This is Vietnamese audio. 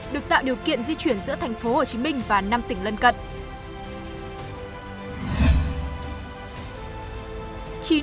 được tạo điều kiện di chuyển giữa tp hcm và năm tỉnh lân cận